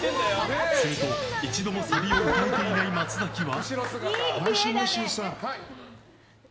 すると一度もサビを歌えていない松崎は。